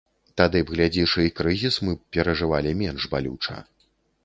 Тады б, глядзіш, і крызіс мы б перажывалі менш балюча.